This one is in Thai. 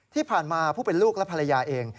ที่ผ่านมาผู้เป็นลูกและภรรยาเอง